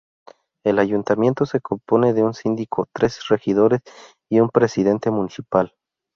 El ayuntamiento se compone de un síndico, tres regidores y un presidente municipal.